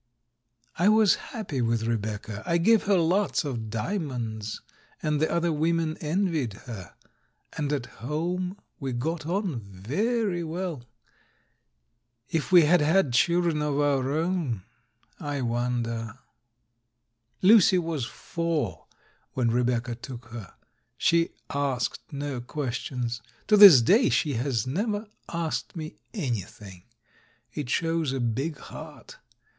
... I was happy with Rebecca. I gave her lots of diamonds, and the other women envied her ; and at home we got on very well. If we had had children of our own — I wonder! S66 THE MAN WHO UNDERSTOOD WOMEN Lucy was four when Rebecca took her. She asked no questions; to this day she has never asked me anything. It shows a big heart.